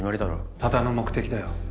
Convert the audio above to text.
多田の目的だよ。